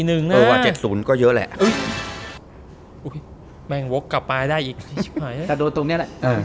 เนี่ยเราชวนให้โวยวายเนี่ย